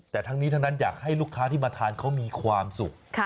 แต่ทั้งนี้ทั้งนั้นอยากให้ลูกค้าที่มาทานเขามีความสุข